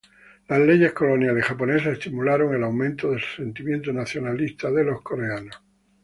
Las leyes coloniales japonesas estimularon el aumento del sentimiento nacionalista de los coreanos.